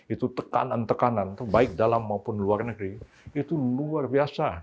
itu tekanan tekanan baik dalam maupun luar negeri itu luar biasa